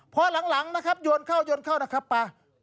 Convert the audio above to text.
เพราะหลังนะครับโยนเข้านะครับปลา